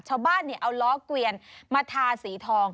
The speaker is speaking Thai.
ชาวบ้านเอาล้อเกวียนมาทาสีทอง